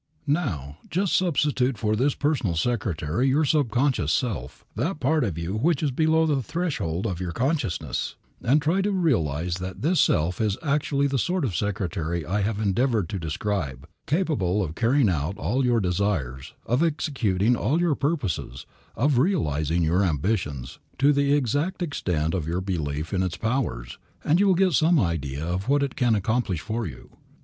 Now, just substitute for this personal secretary your subconscious self, that part of you which is below the threshold of your consciousness, and try to realize that this self is actually the sort of secretary I have endeavored to describe, capable of carrying out all your desires, of executing all your purposes, of realizing your ambitions, to the exact extent of your belief in its powers, and you will get some idea of what it can accomplish for you.